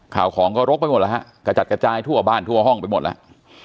ข่าวของก็รกไปหมดแล้วฮะกระจัดกระจายทั่วบ้านทั่วห้องไปหมดแล้ว